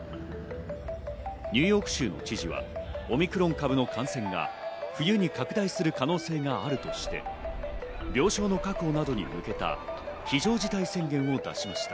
ニューヨーク州の知事はオミクロン株の感染が冬に拡大する可能性があるとして、病床の確保などに向けた非常事態宣言を出しました。